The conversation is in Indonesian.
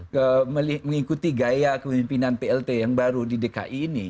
nah itu memang mengikuti gaya pemimpinan plt yang baru di dki ini